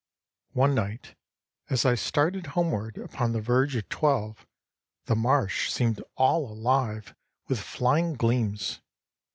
One night, as I started homeward upon the verge of twelve, the marsh seemed all alive with flying gleams.